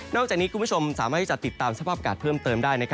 จากนี้คุณผู้ชมสามารถที่จะติดตามสภาพอากาศเพิ่มเติมได้